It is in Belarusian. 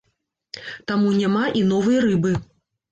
Таму няма і новай рыбы.